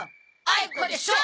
あいこでしょ！